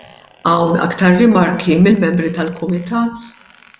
Hawn iktar rimarki mill-membri tal-Kumitat?